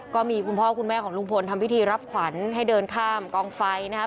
ก็มีคุณพ่อคุณแม่ของลุงพลทำพิธีรับขวัญให้เดินข้ามกองไฟนะครับ